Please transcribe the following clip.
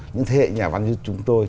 những thế hệ nhà văn như chúng tôi